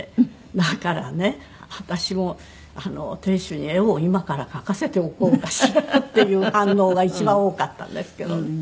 だからね私も亭主に絵を今から描かせておこうかしらっていう反応が一番多かったんですけど。